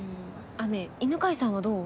あっねえ犬飼さんはどう？